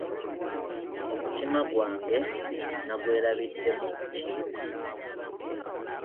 Omutima gwange nagwerabidde mu muti.